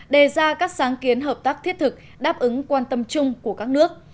đề ra các sáng kiến hợp tác thiết thực đáp ứng quan tâm chung của các nước